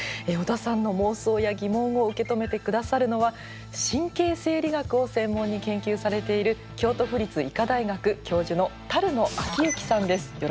織田さんの妄想や疑問を受け止めて下さるのは神経生理学を専門に研究されている京都府立医科大学教授の野陽幸さんです。